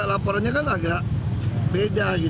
ketika projek ker tinan sambil menyiar buah telur